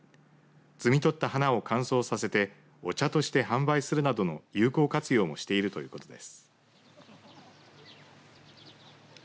摘み取った花を乾燥させてお茶として販売するなどの有効活用もしているということです。